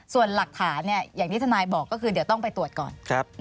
ส่วนหลักฐานอย่างที่ทนายบอกก็คือเดี๋ยวต้องไปตรวจก่อน